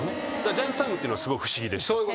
ジャイアンツタイムっていうのはすごい不思議でした。